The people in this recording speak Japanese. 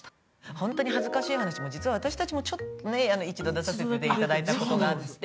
ホントに恥ずかしい話実は私たちもちょっとね一度出させて頂いた事があって。